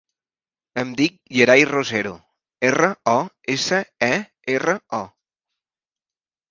Em dic Yeray Rosero: erra, o, essa, e, erra, o.